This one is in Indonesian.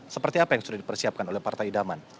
seperti apa yang sudah dipersiapkan oleh partai idaman